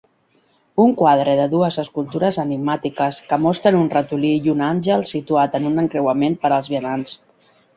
Un quadre de dues escultures enigmàtiques que mostren un ratolí i un àngel situat en un encreuament per als vianants.